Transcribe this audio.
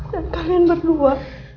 dan kalian berdua